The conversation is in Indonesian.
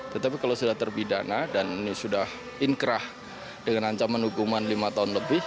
tetapi kalau sudah terbidana dan ini sudah inkrah dengan ancaman hukuman lima tahun lebih